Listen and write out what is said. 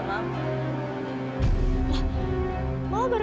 satu pura udara